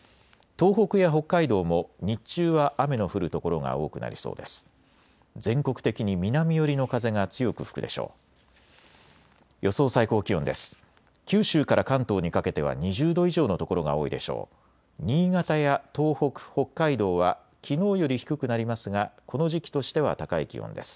東北や北海道も日中は雨の降る所が多くなりそうです。